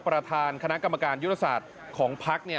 ประธานคณะกรรมการยุทธศาสตร์ของพรรคเนี่ย